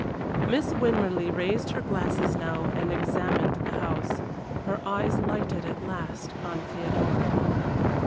Miss Winmarleigh raised her glasses now and examined the house. Her eyes lighted at last on Theodora.